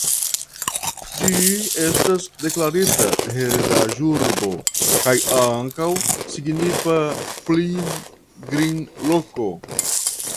Ĝi estis deklarita heredaĵurbo kaj ankaŭ signifa pilgrimloko.